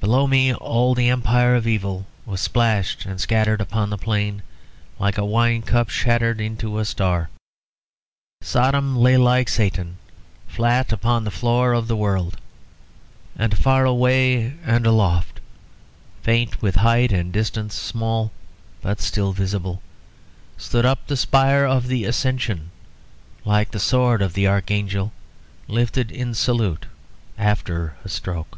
Below me all the empire of evil was splashed and scattered upon the plain, like a wine cup shattered into a star. Sodom lay like Satan, flat upon the floor of the world. And far away and aloft, faint with height and distance, small but still visible, stood up the spire of the Ascension like the sword of the Archangel, lifted in salute after a stroke.